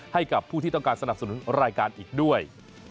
ให้กับผู้ที่ต้องการสนับสนุนรายการอีกด้วย